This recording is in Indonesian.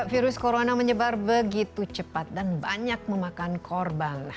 virus corona menyebar begitu cepat dan banyak memakan korban